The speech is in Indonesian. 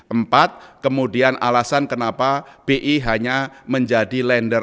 empat kemudian alasan kenapa bi hanya menjadi lender